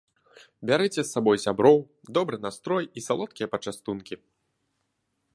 Бярыце з сабой сяброў, добры настрой і салодкія пачастункі!